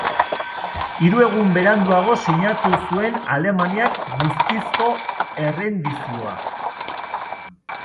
Hiru egun beranduago sinatu zuen Alemaniak guztizko errendizioa.